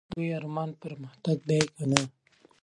د دوی ارمان پرمختګ دی که نه ؟